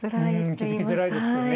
気付きづらいですよね